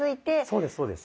そうですそうです。